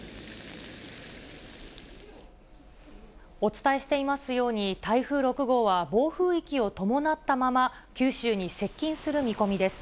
お伝えしていますように、台風６号は暴風域を伴ったまま、九州に接近する見込みです。